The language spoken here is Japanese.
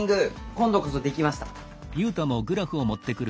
今度こそ出来ました！